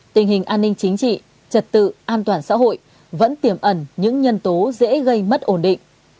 tình hình an ninh chính trị trật tự an toàn xã hội vẫn tiềm ẩn những nhân tố dễ gây mất ổn định